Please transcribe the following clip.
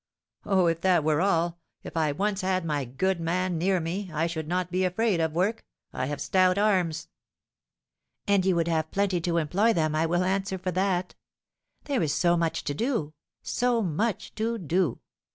"Oh, if that were all, if I once had my good man near me, I should not be afraid of work! I have stout arms." "And you would have plenty to employ them, I will answer for that. There is so much to do, so much to do!